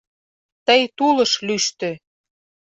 Тый тулыш лӱштӧ.